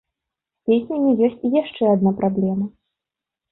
З песнямі ёсць і яшчэ адна праблема.